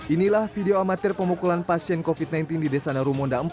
inilah video amatir pemukulan pasien covid sembilan belas di desa narumonda empat